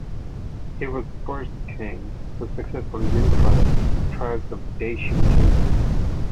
He was the first king who successfully unified the tribes of the Dacian kingdom.